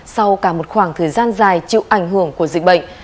sau cả một khoảng thời gian dài chịu ảnh hưởng của dịch bệnh